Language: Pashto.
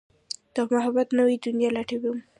د محبت نوې دنيا لټوم